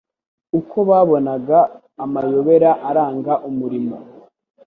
Uko babonaga amayobera aranga umurimo